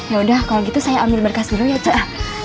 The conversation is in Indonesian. ya udah kalau gitu saya ambil berkas dulu ya cah